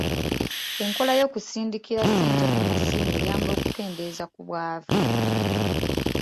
Enkola y'okusindikira ssente ku masimu eyamba okukendeeza ku bwavu.